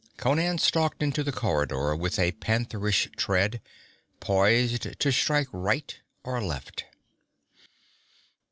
Conan stalked into the corridor with a pantherish tread, poised to strike right or left.